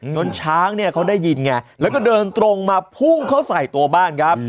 ช้างเนี่ยเขาได้ยินไงแล้วก็เดินตรงมาพุ่งเขาใส่ตัวบ้านครับ